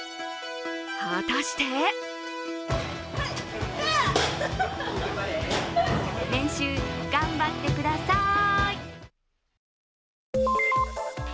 果たして練習、頑張ってくださーい。